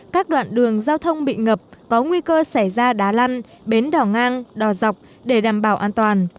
các đoạn đường giao thông bị ngập có nguy cơ xảy ra đá lăn bến đỏ ngang đỏ dọc để đảm bảo an toàn